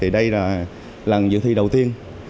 đây là lần dự thi đầu tiên